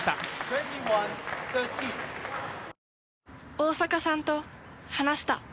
大坂さんと話した。